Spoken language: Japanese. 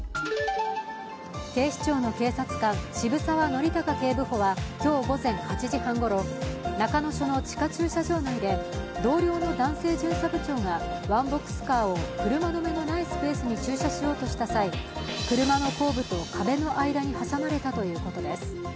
警視庁の警察官、渋沢憲孝警部補は今日午前８時半ごろ、中野署の地下駐車場内で同僚の男性巡査部長がワンボックスカーを車止めのないスペースに駐車しようとした際車の後部と壁の間に挟まれたということです。